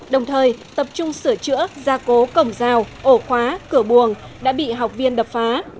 đồng thời tập trung sửa chữa gia cố cổng rào ổ khóa cửa buồng đã bị học viên đập phá